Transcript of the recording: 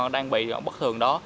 đang bị bất thường đó